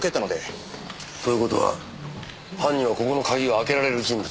ということは犯人はここの鍵が開けられる人物。